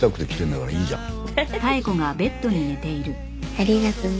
ありがとうね。